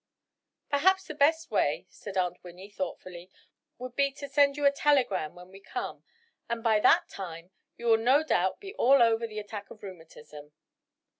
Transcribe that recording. "Perhaps the best way," said Aunt Winnie, thoughtfully, "would be to send you a telegram when to come, and by that time, you will no doubt be all over this attack of rheumatism."